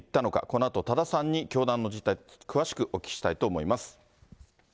このあと多田さんに教団の実態、詳しくお聞きしたいと思います。